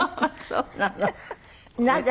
そうなの。